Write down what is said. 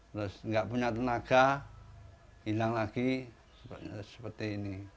terus nggak punya tenaga hilang lagi seperti ini